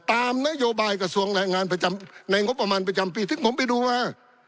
ตามนโยบายกระทรวงแรงงานประจำในงบประมาณประจำปีซึ่งผมไปดูมา